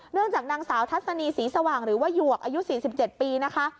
จากนางสาวทัศนีสีสว่างหรือว่าหยวกอายุ๔๗ปีนะคะ